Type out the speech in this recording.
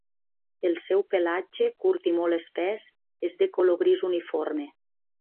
El seu pelatge, curt i molt espès, és de color gris uniforme.